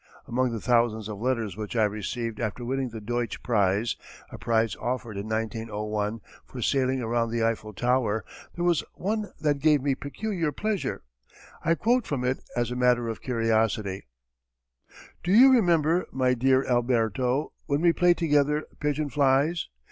Among the thousands of letters which I received after winning the Deutsch prize (a prize offered in 1901 for sailing around the Eiffel Tower) there was one that gave me peculiar pleasure. I quote from it as a matter of curiosity: "Do you remember, my dear Alberto, when we played together 'Pigeon Flies!'?